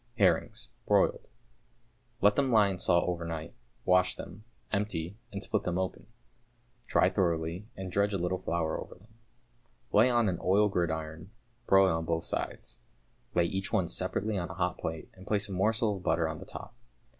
=Herrings, Broiled.= Let them lie in salt overnight, wash them, empty, and split them open. Dry thoroughly, and dredge a little flour over them. Lay on an oiled gridiron, broil on both sides. Lay each one separately on a hot plate, and place a morsel of butter on the top.